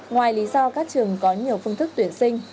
ngoài lý do các trường có nhiều phương thức tuyển sinh